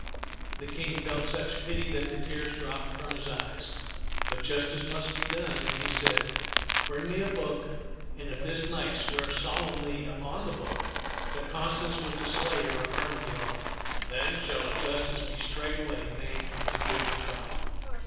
The King felt such pity that the tears dropped from his eyes; but justice must be done, and he said, " Bring me a book, and if this knight swear solemnly upon the book that Constance was the slayer of Her megild, then shall a justice be straightway named to give her trial."